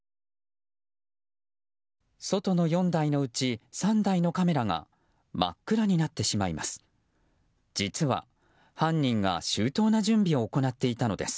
外の４台のうち３台のカメラが真っ暗になってしまいます。